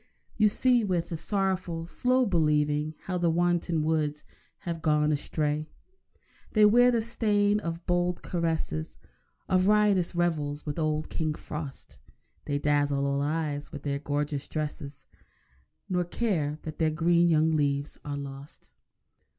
You see, with a sorrowful, slow believing, How the wanton woods have gone astray. They wear the stain of bold caresses, Of riotous revels with old King Frost; They dazzle all eyes with their gorgeous dresses, Nor care that their green young leaves are lost.